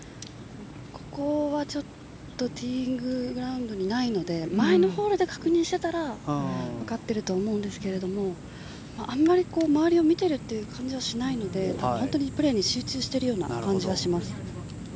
ここはちょっとティーインググラウンドにないので前のホールで確認していたらわかっていると思うんですけれどあまり周りを見ているという感じがしないので多分、本当にプレーに集中しているような感じがします。